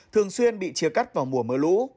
thường xuyên bị chia cắt vào mùa mưa lũ